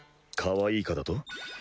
かわいいかだと？